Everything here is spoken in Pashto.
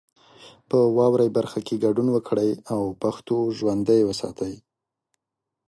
په واورئ برخه کې ګډون وکړئ او پښتو ژوندۍ وساتئ.